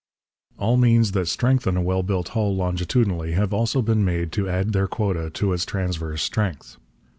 All means that strengthen a well built hull longitudinally have also been made to add their quota to its transverse strength.